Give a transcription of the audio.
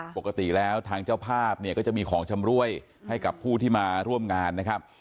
ปกติแล้วทางเจ้าภาพเนี่ยก็จะมีของชำรวยให้กับผู้ที่มาร่วมงานนะครับ